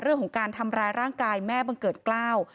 เรื่องของการทำร้ายร่างกายแม่บังเกิดกล้าว